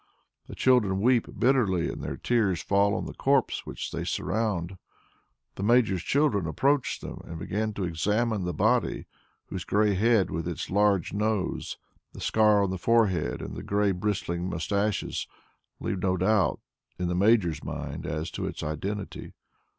The children weep bitterly, and their tears fall on the corpse which they surround. The Major's children approach them and begin to examine the body whose grey head, with its large nose, the scar on the forehead, and the grey bristling moustaches, leave no doubt in the Major's mind as to its identity.